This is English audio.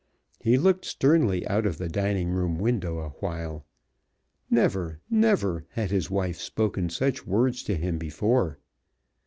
He looked sternly out of the dining room window awhile. Never, never had his wife spoken such words to him before.